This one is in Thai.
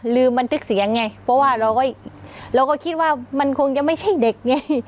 บันทึกเสียงไงเพราะว่าเราก็เราก็คิดว่ามันคงจะไม่ใช่เด็กไง